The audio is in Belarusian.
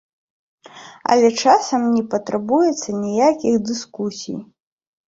Але часам не патрабуецца ніякіх дыскусій.